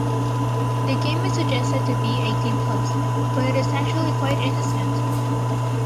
The game is suggested to be eighteen plus but it is actually quite innocent.